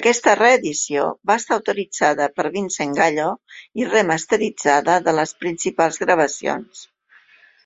Aquesta reedició va estar autoritzada per Vincent Gallo i remasteritzada de les principals gravacions.